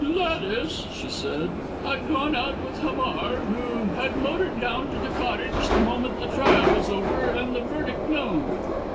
"Gladys," she said, "had gone out with Hamar, who had motored down to the cottage the moment the trial was over and the verdict known."